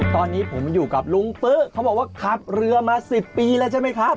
ตอนนี้ผมอยู่กับลุงปึ๊ะเขาบอกว่าขับเรือมา๑๐ปีแล้วใช่ไหมครับ